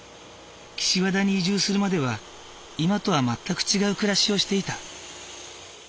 岸和田に移住するまでは今とは全く違う暮らしをしていた。